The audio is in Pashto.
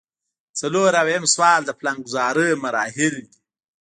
څلور اویایم سوال د پلانګذارۍ مراحل دي.